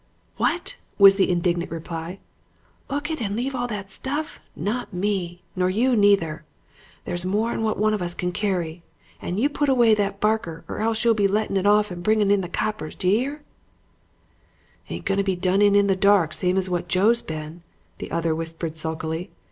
"'What!' was the indignant reply. ''Ook it and leave all that stuff. Not me! Nor you neither. There's more'n what one of us can carry. And you put away that barker or else you'll be lettin' it off and bringin' in the coppers. D'ye 'ear?' "'Ain't going to be done in the dark same as what Joe's been,' the other whispered sulkily.